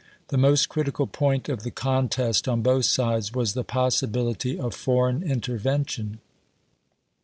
The most critical point of the contest on both sides was the possibility of foreign intervention.